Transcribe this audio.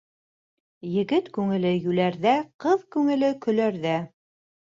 Егет күңеле йүләрҙә, ҡыҙ күңеле көләрҙә.